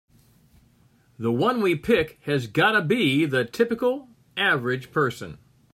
The one we pick has gotta be the typical average person.